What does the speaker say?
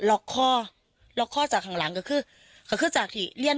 ล็อกคอล็อกข้อจากข้างหลังก็คือก็คือจากที่เรียน